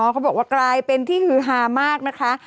เขาบอกว่ากลายเป็นที่ฮือฮามากนะคะ